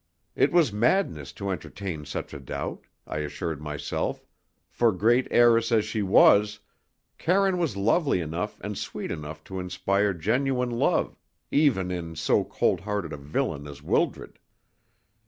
It was madness to entertain such a doubt, I assured myself, for great heiress as she was, Karine was lovely enough and sweet enough to inspire genuine love even in so cold hearted a villain as Wildred.